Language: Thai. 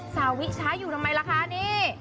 สาวิช้าอยู่ทำไมล่ะคะนี่